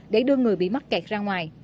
để đưa người bị mắc kẹt ra ngoài